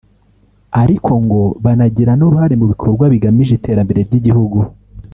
ariko ko banagira n’uruhare mu bikorwa bigamije iterambere ry’igihugu